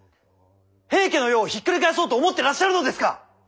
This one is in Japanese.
平家の世をひっくり返そうと思ってらっしゃるのですか！？